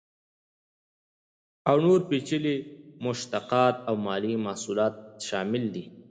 او نور پیچلي مشتقات او مالي محصولات شامل دي.